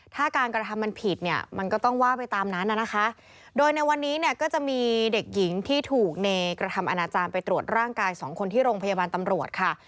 ถ้าการกระทำมันผิดเนี่ยมันก็ต้องว่าไปตามนั้นน่ะนะคะโดยในวันนี้เนี่ยก็จะมีเด็กหญิงที่ถูกเนยกระทำอนาจารย์ไปตรวจร่างกายสองคนที่โรงพยาบาลตำรวจค่ะ